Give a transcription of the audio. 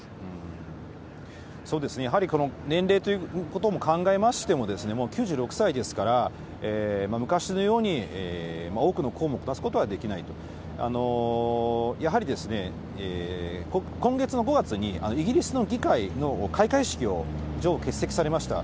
そうですね、やはり年齢ということも考えましても、もう９６歳ですから、昔のように多くの公務をこなすことはできないと、やはり今月の５月にイギリスの議会の開会式を女王、欠席されました。